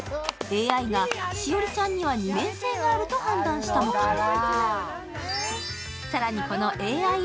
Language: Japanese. ＡＩが栞里ちゃんには二面性があると判断したのかも。